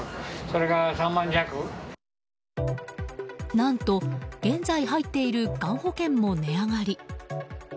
何と、現在入っているがん保険も値上がり。